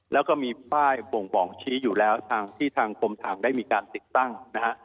แล้วก็มีป้ายบ่งบอกชี้อยู่แล้วทางที่ทางกรมทางได้มีการติดตั้งนะฮะ